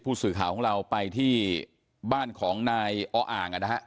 สื่อข่าวของเราไปที่บ้านของนายออ่าง